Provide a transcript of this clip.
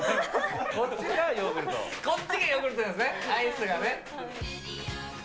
こっちがヨーグルトなんですね、アイスがね。